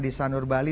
di sanur bali